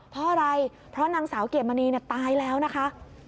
เพราะอะไรเพราะนางสาวเกดมณีตายแล้วนะคะ